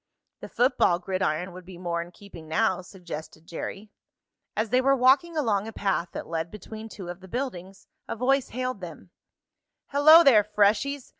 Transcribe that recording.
"The football gridiron would be more in keeping now," suggested Jerry. As they were walking along a path that led between two of the buildings, a voice hailed them: "Hello there, freshies!